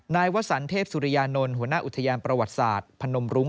นายวสันเทพสุริยานนท์หัวหน้าอุทยานประวัติศาสตร์พนมรุ้ง